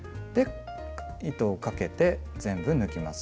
糸をかけて全部抜きます。